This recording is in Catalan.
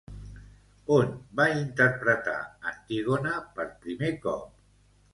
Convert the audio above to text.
On va interpretar Antígona per primer cop?